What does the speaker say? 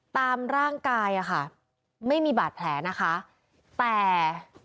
ตามร่างกายอะค่ะไม่มีบาดแผลนะคะแต่